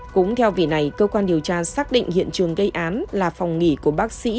cũng theo vì này cơ quan điều tra xác định hiện trường gây án là phòng nghỉ của bác sĩ